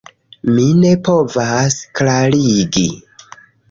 Mi ne povas klarigi